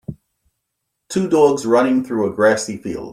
Two dogs running through a grassy field.